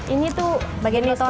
ini tuh bagian notoran